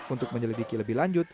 untuk menyelidiki lebih lanjut